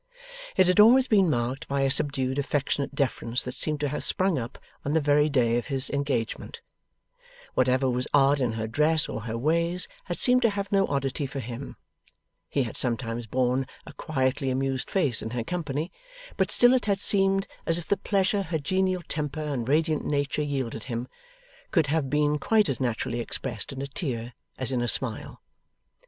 It had always been marked by a subdued affectionate deference that seemed to have sprung up on the very day of his engagement; whatever was odd in her dress or her ways had seemed to have no oddity for him; he had sometimes borne a quietly amused face in her company, but still it had seemed as if the pleasure her genial temper and radiant nature yielded him, could have been quite as naturally expressed in a tear as in a smile.